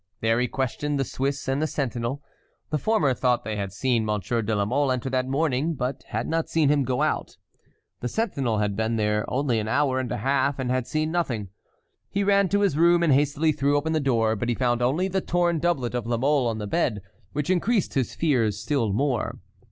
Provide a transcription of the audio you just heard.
There he questioned the Swiss and the sentinel. The former thought they had seen Monsieur de la Mole enter that morning, but had not seen him go out. The sentinel had been there only an hour and a half and had seen nothing. He ran to his room and hastily threw open the door; but he found only the torn doublet of La Mole on the bed, which increased his fears still more.